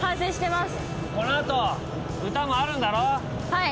はい。